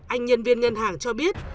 anh nhân viên ngân hàng cho biết